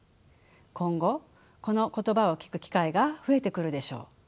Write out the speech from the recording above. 今後この言葉を聞く機会が増えてくるでしょう。